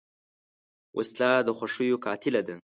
وسله د خوښیو قاتله ده